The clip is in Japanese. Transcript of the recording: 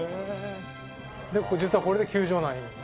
で実はこれで球場内に。